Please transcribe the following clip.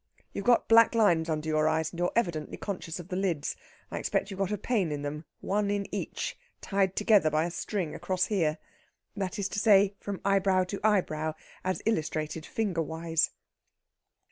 You've got black lines under your eyes, and you're evidently conscious of the lids. I expect you've got a pain in them, one in each, tied together by a string across here." That is to say, from eyebrow to eyebrow, as illustrated fingerwise.